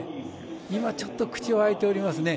今、ちょっと口が開いておりますね。